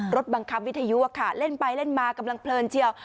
รถบังคับวิทยุค่ะเล่นไปเล่นมากำลังเพลินเชียว